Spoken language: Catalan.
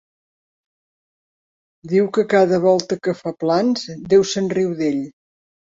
Diu que cada volta que fa plans, Déu se'n riu d'ell.